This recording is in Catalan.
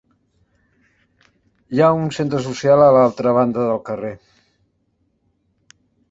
Hi ha un centre social a l'altra banda del carrer.